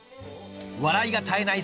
笑いが絶えない